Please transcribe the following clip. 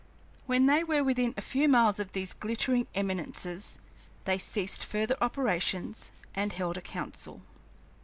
When they were within a few miles of these glittering eminences they ceased further operations and held a council.